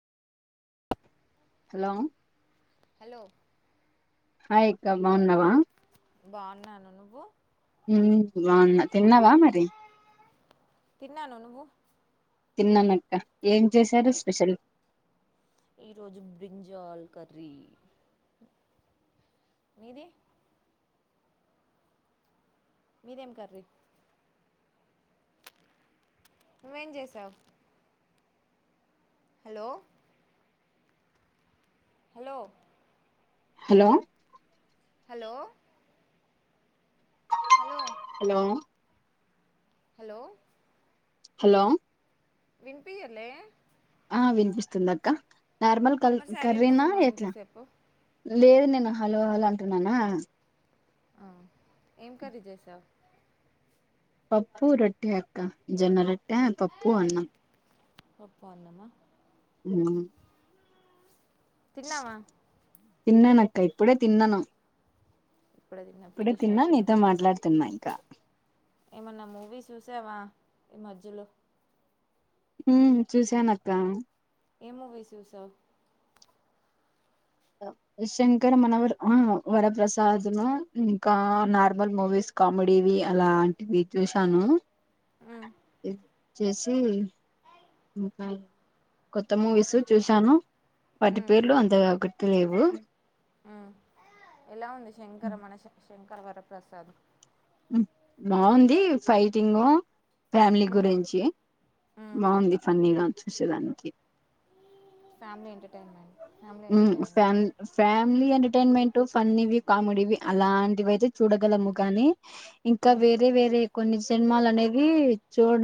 hello hello hi ఆక్క బాగున్నావా బాగున్నాను నువ్వు హు బాగున్నా తిన్నావా మరి తిన్నాను నువ్వు తిన్నాను అక్క ఏం చేశారు స్పెషల్ ఈ రోజు బ్రింజాల్ కర్రీ మీది మీదేం కర్రీ నువ్వేం చేసావ్ hello hello hello hello hello hello hello hello వినిపియలే ఆ వినిపిస్తుందిక్క నార్మల్ కల్ మరి సైలెంట్గా కర్రీనా ఉన్నావు ఎట్ల ఇంతసేపు లేదు నేను హలో హలో అంటున్నానా ఆ ఏం కర్రీ చేసావ్ పప్పు రొట్టె అక్క జోన్న రొట్టే పప్పు అన్నం పప్పు అన్నమా ఊ తిన్నావా తిన్నాను అక్క ఇప్పుడే తిన్నాను ఇప్పుడే తిన్నా ఇప్పుడే ఫినిష్ తిన్నా అయిపోయింది నీతో మాట్లాడుతున్నా ఇంకా ఏమన్నా మూవీ చూసావా ఈ మధ్యలో ఊ చూసాను అక్క ఏ మూవీ చూసావ్ శంకర్ మనోహర వరప్రసాద్ ను ఇంకా నార్మల్ మూవీస్ కామెడీవి అలాంటివి చూశాను ఉమ్మ్ జెస్సి ఇంకా కొత్త మూవీస్ చూశాను వాటి ఉమ్ పేర్లు అంతగా గుర్తు లేవు ఆ ఎలా ఉంది శంకర మనశ శంకర వరప్ర్రసాద్ బావుంది ఫైటింగు ఫ్యామిలీ ఉమ్ గురించి ఉమ్ బావుంది ఫన్నీగా చూసేదానికి ఫ్యామిలీ ఎంటర్టైన్మెంట్ ఫ్యామిలీ మ్మ్ ఫ్యా ఎంటర్టైన్మెంట్ ఫ్యామీలీ ఎంటర్టైన్మెంట్ ఫన్నీవి కామెడీవి అలాంటివి అయితే చూడగలము కానీ ఇంకా ఉమ్ వేరే వేరే కొన్ని సినిమాలు అనేవి చూడ